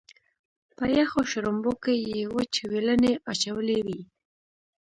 په یخو شړومبو کې یې وچ وېلنی اچولی وي.